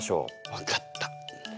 分かった。